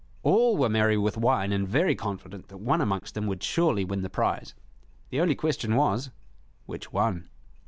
All were merry with wine and very confident that one amongst them would surely win the prize. The only question was, Which one?